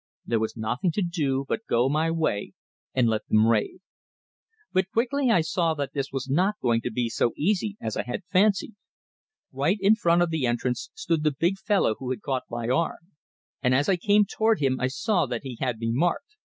There was nothing to do but go my way and let them rave. But quickly I saw that this was not going to be so easy as I had fancied. Right in front of the entrance stood the big fellow who had caught my arm; and as I came toward him I saw that he had me marked.